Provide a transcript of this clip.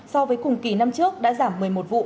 so với cùng kỳ năm trước đã giảm một mươi một vụ